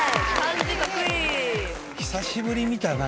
久しぶり見たな